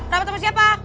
rapat sama siapa